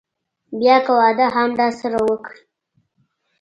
بيا که واده هم راسره وکړي.